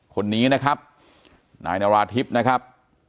คนนี้นะครับนายนาราธิบนะครับ